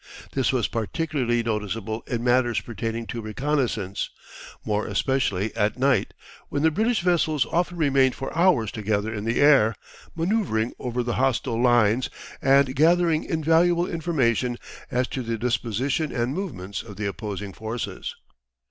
This was particularly noticeable in matters pertaining to reconnaissance, more especially at night, when the British vessels often remained for hours together in the air, manoeuvring over the hostile lines, and gathering invaluable information as to the disposition and movements of the opposing forces.